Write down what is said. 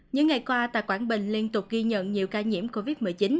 những ngày qua tài quản bình liên tục ghi nhận nhiều ca nhiễm covid một mươi chín